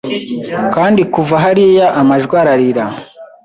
Kandi kuva hariya amajwi ararira